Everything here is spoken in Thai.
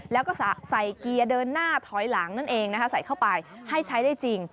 แล้วก็ใส่เกียร์เดินหน้าถอยหลังนั่นเองใส่เข้าไปให้ใช้ได้จริง